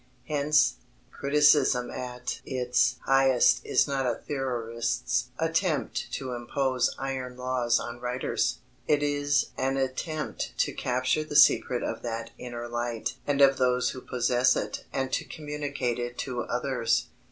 Hence, criticism at its highest is not a theorist's attempt to impose iron laws on writers: it is an attempt to capture the secret of that "inner light" and of those who possess it and to communicate it to others.